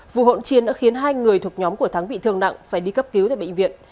vụ hỗn chiến đã khiến hai người thuộc nhóm của thắng bị thương nặng phải đi cấp cứu tại bệnh viện